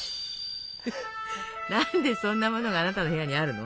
何でそんなものがあなたの部屋にあるの？